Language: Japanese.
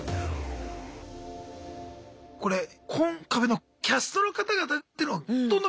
これコンカフェのキャストの方々ってのはどんな感じなんすか？